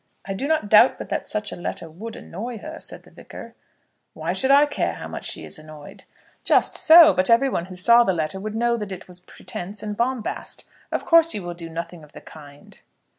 "I do not doubt but that such a letter would annoy her," said the Vicar. "Why should I care how much she is annoyed?" "Just so; but everyone who saw the letter would know that it was pretence and bombast. Of course you will do nothing of the kind."